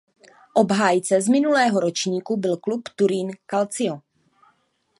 Obhájce z minulého ročníku byl klub Turín Calcio.